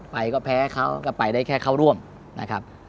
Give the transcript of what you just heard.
ไปก็แพ้เขาก็ไปได้แค่เข้าร่วมนะครับ